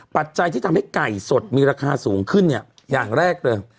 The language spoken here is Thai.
ปัจจัยที่ทำให้ไก่สดมีราคาสูงขึ้นเนี่ยอย่างแรกเลย